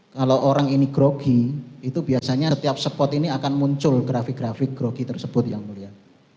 kalau orang ini grogi itu biasanya setiap spot ini akan muncul grafik grafik grogi tersebut yang mulia